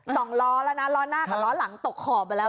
สองล้อแล้วนะล้อหน้ากับล้อหลังตกขอบไปแล้ว